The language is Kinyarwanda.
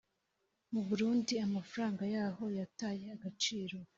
mu burundi amafaranga yaho yataye agaciro